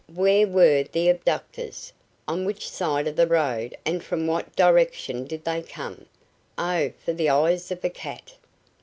Where were the abductors? On which side of the road and from what direction did they come? Oh, for the eyes of a cat!